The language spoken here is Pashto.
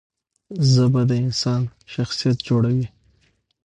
ژبه د انسان شخصیت جوړوي.